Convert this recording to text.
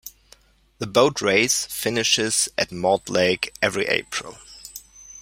The Boat Race finishes at Mortlake every April.